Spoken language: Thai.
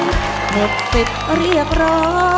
และมันเป็นการพร้อม